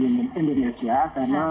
karena kita pemerintah sedang jepol